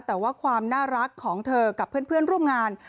แต่ว่าความน่ารักของเธอกับเพื่อนร่วมงาน